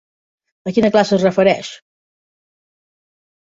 A quina classe es refereix?